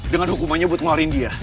dengan hukumannya buat ngeluarin dia